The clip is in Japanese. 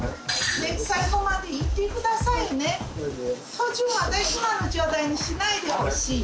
途中まで今の状態にしないでほしい。